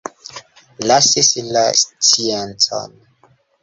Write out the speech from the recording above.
Lasis la sciencon.